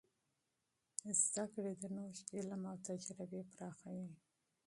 تعلیم د نوښت علم او تجربې پراخوي.